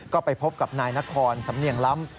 ก็ไปพบกับนายนครสำเนียงล้ำ